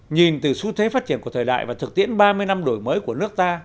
nhìn từ xu thế phát triển của thời đại và thực tiễn ba mươi năm đổi mới của nước ta